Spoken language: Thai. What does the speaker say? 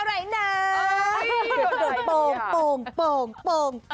อ้าว